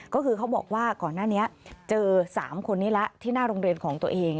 ก็คือเขาบอกว่าก่อนหน้านี้เจอ๓คนนี้ละที่หน้าโรงเรียนของตัวเอง